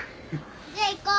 じゃあ行こう。